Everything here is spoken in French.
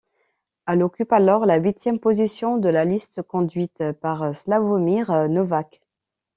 Elle occupe alors la huitième position de la liste conduite par Sławomir Nowak.